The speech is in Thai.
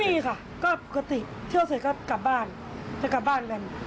มีค่ะก็ปกติเที่ยวเสร็จก็กลับบ้านจะกลับบ้านกัน